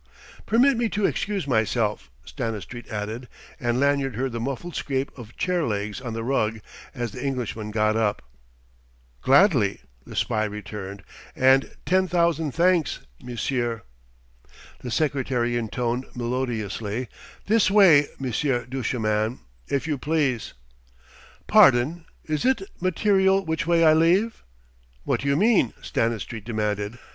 "Permit me to excuse myself," Stanistreet added; and Lanyard heard the muffled scrape of chair legs on the rug as the Englishman got up. "Gladly," the spy returned "and ten thousand thanks, monsieur!" The secretary intoned melodiously: "This way, Monsieur Duchemin, if you please." "Pardon. Is it material which way I leave?" "What do you mean?" Stanistreet demanded.